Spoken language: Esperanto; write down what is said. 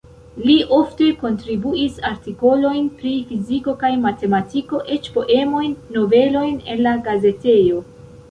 Li ofte kontribuis artikolojn pri fiziko kaj matematiko, eĉ poemojn, novelojn en la gazetoj.